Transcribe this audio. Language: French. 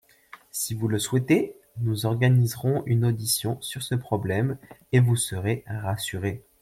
Si vous le souhaitez, nous organiserons une audition sur ce problème et vous serez rassurés.